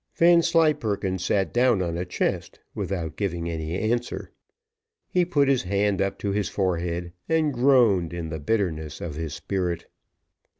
Vanslyperken sat down on a chest, without giving any answer. He put his hand up to his forehead, and groaned in the bitterness of his spirit.